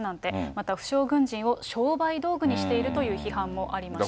また負傷軍人を商売道具にしているという批判もありました。